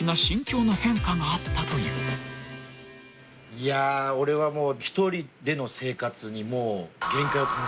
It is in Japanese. いや俺はもう。